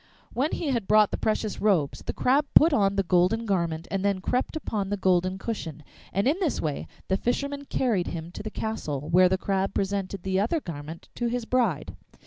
When he had brought the precious robes, the Crab put on the golden garment and then crept upon the golden cushion, and in this way the fisherman carried him to the castle, where the Crab presented the other garment to his bride.